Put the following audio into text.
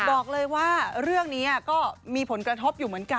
บอกเลยว่าเรื่องนี้ก็มีผลกระทบอยู่เหมือนกัน